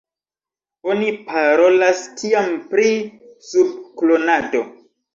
Oni parolas tiam pri sub-klonado.